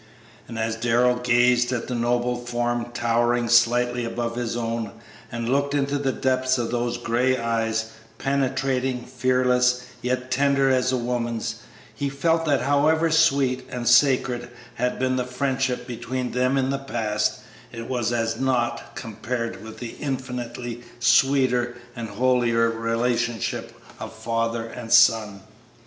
And as Darrell gazed at the noble form, towering slightly above his own, and looked into the depths of those gray eyes, penetrating, fearless, yet tender as a woman's, he felt that however sweet and sacred had been the friendship between them in the past, it was as naught compared with the infinitely sweeter and holier relationship of father and son.